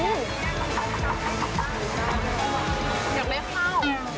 อยากได้เข้า